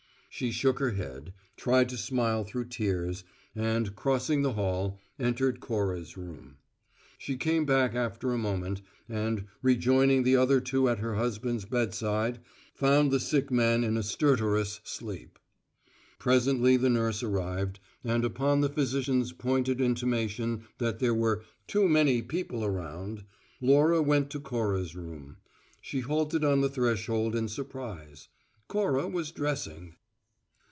She shook her head, tried to smile through tears, and, crossing the hall, entered Cora's room. She came back after a moment, and, rejoining the other two at her husband's bedside, found the sick man in a stertorous sleep. Presently the nurse arrived, and upon the physician's pointed intimation that there were "too many people around," Laura went to Cora's room. She halted on the threshold in surprise. Cora was dressing.